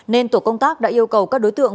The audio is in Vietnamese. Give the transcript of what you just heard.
nên tổ công tác đã yêu cầu các đối tượng